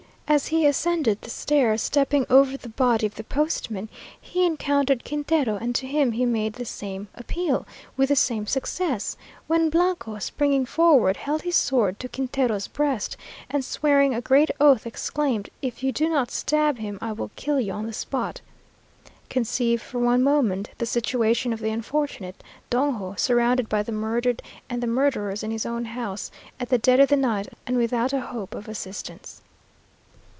As he ascended the stairs, stepping over the body of the postman, he encountered Quintero, and to him he made the same appeal, with the same success; when Blanco, springing forward, held his sword to Quintero's breast, and swearing a great oath, exclaimed, "If you do not stab him, I will kill you on the spot!" Conceive, for one moment, the situation of the unfortunate Dongo, surrounded by the murdered and the murderers in his own house, at the dead of the night, and without a hope of assistance!